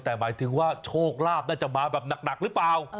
แต่หมายถึงว่าโชคลาภน่าจะมาแบบหนักหรือเปล่า